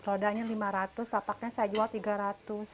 rodanya lima ratus lapaknya saya jual rp tiga ratus